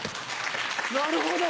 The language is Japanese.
なるほど！